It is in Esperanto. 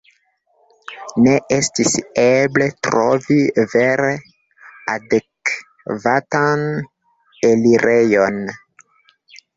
Ne estis eble trovi vere adekvatan elirejon.